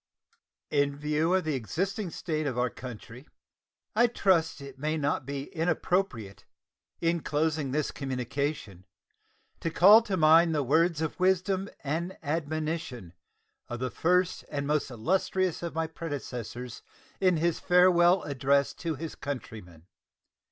In view of the existing state of our country, I trust it may not be inappropriate, in closing this communication, to call to mind the words of wisdom and admonition of the first and most illustrious of my predecessors in his Farewell Address to his countrymen.